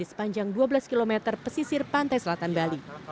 sepanjang dua belas km pesisir pantai selatan bali